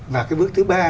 và cái bước thứ ba